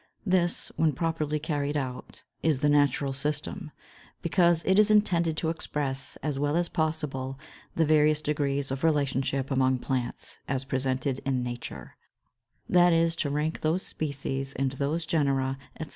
This, when properly carried out, is the Natural System; because it is intended to express, as well as possible, the various degrees of relationship among plants, as presented in nature; that is, to rank those species and those genera, etc.